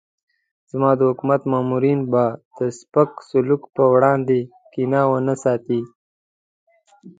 زما د حکومت مامورین به د سپک سلوک پر وړاندې کینه ونه ساتي.